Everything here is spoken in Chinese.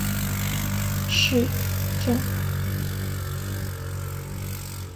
赫希斯塔特安德赖斯希是德国巴伐利亚州的一个市镇。